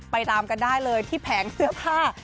ตามกันได้เลยที่แผงเสื้อผ้า